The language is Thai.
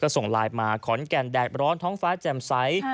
ส่งไลน์มาขอนแก่นแดดร้อนท้องฟ้าแจ่มใส